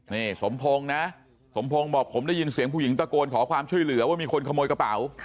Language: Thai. นี่สมพงศ์นะสมพงศ์บอกผมได้ยินเสียงผู้หญิงตะโกนขอความช่วยเหลือว่ามีคนขโมยกระเป๋า